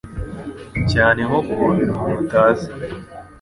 cyane nko guhobera umutu utazi